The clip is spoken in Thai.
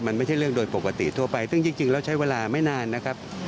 มันไม่ใช่เรื่องโดยปกติทั่วไปซึ่งจริงแล้วใช้เวลาไม่นานนะครับ